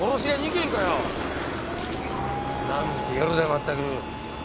⁉何て夜だまったく！